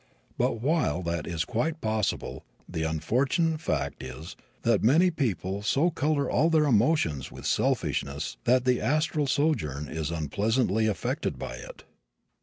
But while that is quite possible the unfortunate fact is that a great many people so color all their emotions with selfishness that the astral sojourn is unpleasantly affected by it.